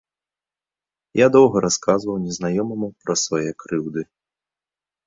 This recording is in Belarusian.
Я доўга расказваў незнаёмаму пра свае крыўды.